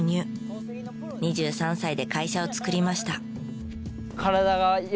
２３歳で会社を作りました。